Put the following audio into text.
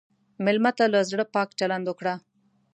مېلمه ته له زړه پاک چلند وکړه.